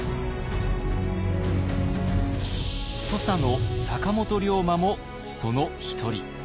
土佐の坂本龍馬もその一人。